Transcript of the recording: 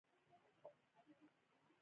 درېیمه برخه میداني مطالعاتو ته ځانګړې ده.